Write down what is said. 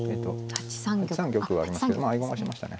８三玉はありますけど合駒しましたね。